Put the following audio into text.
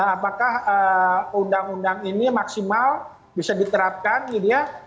apakah undang undang ini maksimal bisa diterapkan gitu ya